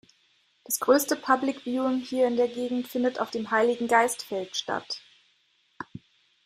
Das größte Public Viewing hier in der Gegend findet auf dem Heiligengeistfeld statt.